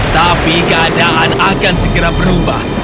tapi keadaan akan segera berubah